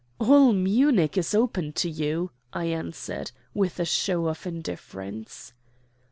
"All Munich is open to you," I answered, with a show of indifference.